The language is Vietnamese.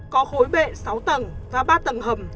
có khối bệ sáu tầng và ba tầng hầm